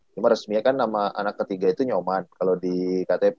cuma resmi nya kan anak ketiga itu nyoman kalo di ktp